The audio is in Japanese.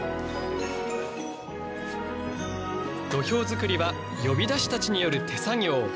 土俵作りは呼出たちによる手作業。